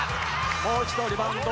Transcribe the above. もう一度リバウンド。